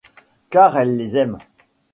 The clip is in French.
Car elle les aime.